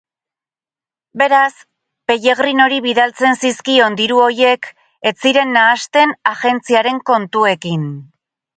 Beraz, Pellegrinori bidaltzen zizkion diru horiek ez ziren nahasten agentziaren kontuekin.